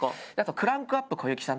「クランクアップ小雪さん」。